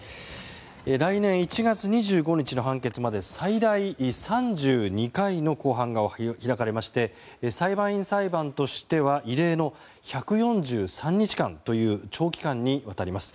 来年１月２５日の判決まで最大３２回の公判が開かれまして裁判員裁判としては異例の１４３日間という長期間にわたります。